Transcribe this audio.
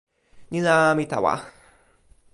ni la, mi tawa.